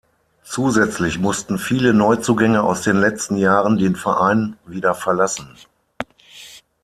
Zusätzlich mussten viele Neuzugänge aus den letzten Jahren den Verein wieder verlassen.